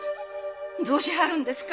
どうしはるんですか？